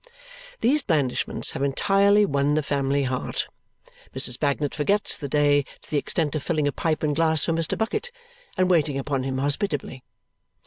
These blandishments have entirely won the family heart. Mrs. Bagnet forgets the day to the extent of filling a pipe and a glass for Mr. Bucket and waiting upon him hospitably.